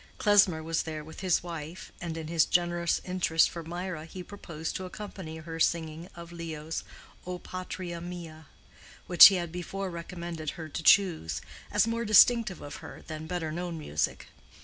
Klesmer was there with his wife, and in his generous interest for Mirah he proposed to accompany her singing of Leo's "O patria mia," which he had before recommended her to choose, as more distinctive of her than better known music.